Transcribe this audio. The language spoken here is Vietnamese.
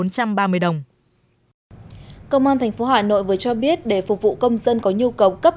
công an tp hà nội vừa cho biết để phục vụ công dân có nhu cầu cấp